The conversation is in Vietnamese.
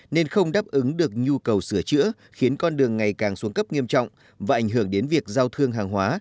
nên không đáp ứng được nhu cầu sửa chữa khiến con đường ngày càng xuống cấp nghiêm trọng và ảnh hưởng đến việc giao thương hàng hóa